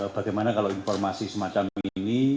bagaimana kalau informasi semacam ini